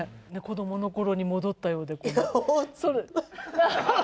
子どもの頃に戻ったようで。